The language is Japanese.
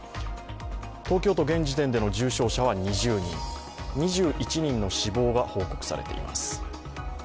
東京都現時点での重症者は２０人、２１人の死亡が報告されています。